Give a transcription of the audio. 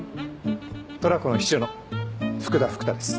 トラコの秘書の福田福多です。